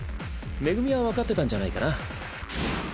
恵は分かってたんじゃないかな。